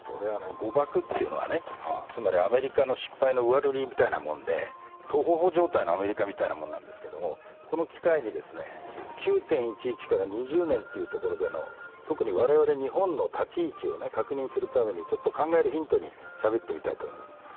誤爆っていうのは、アメリカの失敗の上塗りみたいなもんでトホホ状態のアメリカみたいなもんなんですけどこの機会に９・１１から２０年というところでの、特に我々日本の立ち位置を確認するためにちょっと考えるヒントにしゃべってみたいと思います。